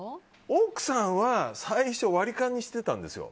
奥さんは最初割り勘にしていたんですよ。